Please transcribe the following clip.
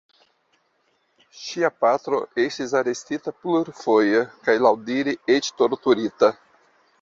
Ŝia patro estis arestita plurfoje kaj laŭdire eĉ torturita.